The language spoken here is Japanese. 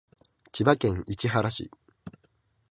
千葉県市原市